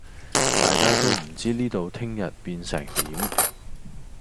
大家都唔知呢度聽日變成點